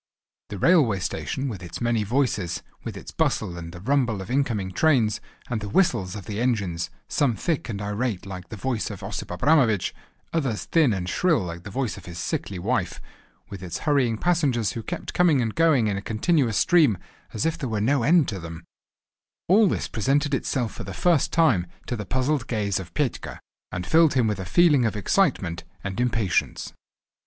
The railway station with its many voices, with its bustle and the rumble of incoming trains, and the whistles of the engines, some thick and irate like the voice of Osip Abramovich, others thin and shrill like the voice of his sickly wife, with its hurrying passengers who kept coming and going in a continuous stream, as if there were no end to them—all this presented itself for the first time to the puzzled gaze of Petka, and filled him with a feeling of excitement and impatience.